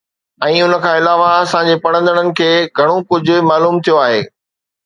۽ ان کان علاوه، اسان جي پڙهندڙن کي گهڻو ڪجهه معلوم ٿيو آهي.